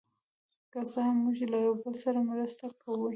که څه هم، موږ له یو بل سره مرسته کوو.